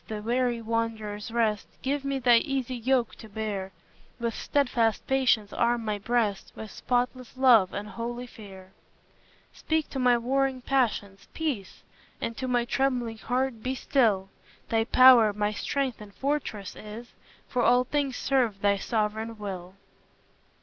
the weary wanderer's rest, Give me thy easy yoke to bear; With steadfast patience arm my breast, With spotless love and holy fear. Speak to my warring passions, "Peace!" Say to my trembling heart, "Be still!" Thy power my strength and fortress is, For all things serve thy sovereign will.